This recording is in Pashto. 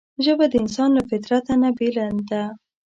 ژبه د انسان له فطرته نه بېله ده